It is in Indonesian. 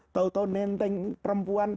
tahu tahu nenteng perempuan